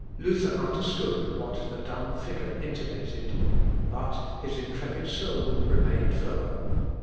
Luther understood what the dumb figure intimated, but his intrepid soul remained firm.